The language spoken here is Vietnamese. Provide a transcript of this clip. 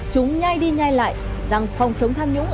chúng nha đi nhai lại rằng phòng chống tham nhũng